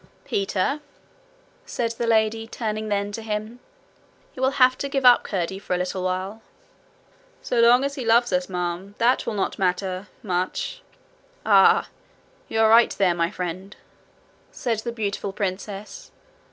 'Peter,' said the lady, turning then to him, 'you will have to give up Curdie for a little while.' 'So long as he loves us, ma'am, that will not matter much.' 'Ah! you are right there, my friend,' said the beautiful princess.